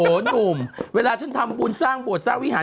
โอ้โหหนุ่มเวลาฉันทำบุญสร้างโบสถสร้างวิหาร